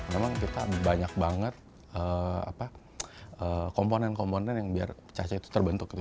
memang kita banyak banget komponen komponen yang biar caca itu terbentuk gitu